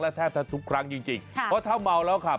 แล้วแทบทุกครั้งจริงจริงค่ะเพราะถ้าเมาแล้วครับ